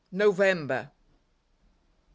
NOVEMBER. 1.